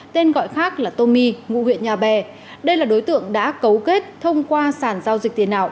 tên gọi khác là tomi ngụ huyện nhà bè đây là đối tượng đã cấu kết thông qua sản giao dịch tiền ảo